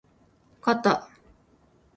かた